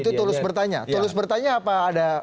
itu tulis bertanya tulis bertanya apa ada